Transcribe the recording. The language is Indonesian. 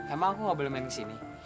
emang aku gak boleh main kesini